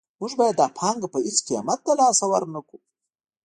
موږ باید دا پانګه په هېڅ قیمت له لاسه ورنکړو